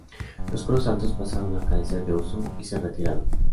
Los coros altos pasaron a carecer de uso y se retiraron.